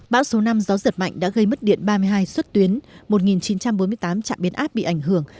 bão số năm gió giật mạnh đã gây mất điện ba mươi hai xuất tuyến một chín trăm bốn mươi tám trạm biến áp bị ảnh hưởng